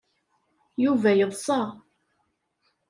Yuba yeḍsa.